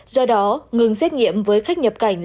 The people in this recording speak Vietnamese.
do đó ngừng xét nghiệm với khách nhập